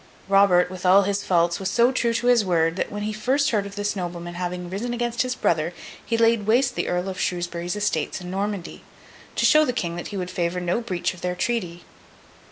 Robert, with all his faults, was so true to his word, that when he first heard of this nobleman having risen against his brother, he laid waste the Earl of Shrewsbury's estates in Normandy, to show the King that he would favour no breach of their treaty.